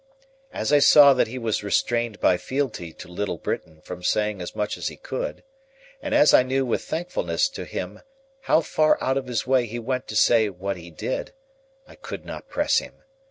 As I saw that he was restrained by fealty to Little Britain from saying as much as he could, and as I knew with thankfulness to him how far out of his way he went to say what he did, I could not press him.